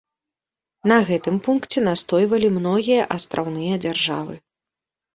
На гэтым пункце настойвалі многія астраўныя дзяржавы.